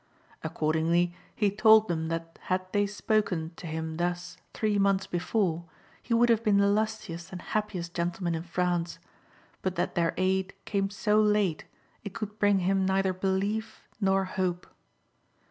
Accordingly, he told them that had they spoken to him thus three months before, he would have been the lustiest and happiest gentleman in France ; but that their aid came so late, it could bring him neither belief nor hope.